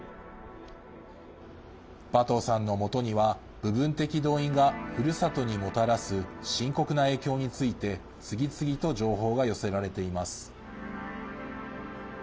バトゥさんのもとには部分的動員がふるさとにもたらす深刻な影響について次々と情報が寄せられています。